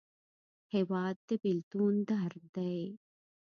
هېواد د بېلتون درد دی.